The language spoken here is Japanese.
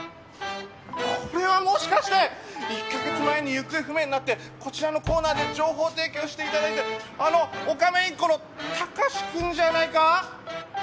これはもしかして１カ月前に行方不明になってこちらのコーナーで情報提供して頂いているあのオカメインコのタカシくんじゃないか？